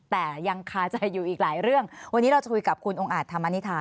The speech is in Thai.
แต่ยังคาใจอยู่อีกหลายเรื่องวันนี้เราจะคุยกับคุณองค์อาจธรรมนิษฐา